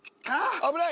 ［危ない！］